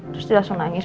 terus dia langsung nangis